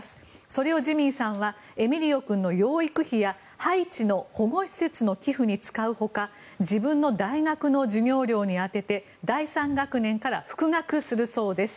それをジミーさんはエミリオ君の養育費やハイチの保護施設の寄付に使うほか自分の大学の授業料に充てて第３学年から復学するそうです。